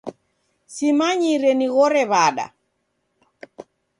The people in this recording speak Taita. Simanyire nighore w'ada.